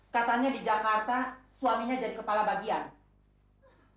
katanya di jakarta suaminya jadi kepala bagian